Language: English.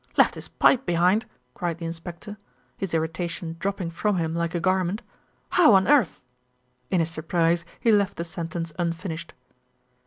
"Left his pipe behind!" cried the inspector, his irritation dropping from him like a garment. "How on earth !" In his surprise he left the sentence unfinished.